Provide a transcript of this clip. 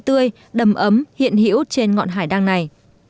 tươi đầm ấm hiện hữu trên ngọn hải đăng này